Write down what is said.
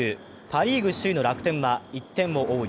パ・リーグ首位の楽天は１点を追う